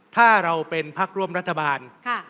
ถ้าเราเป็นพักร่วมรัฐบาล